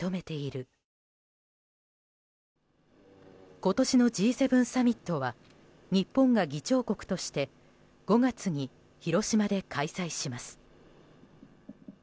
今年のＧ７サミットは日本が議長国として５月に広島で開催します。